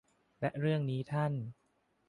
และเรื่องนี้ท่าน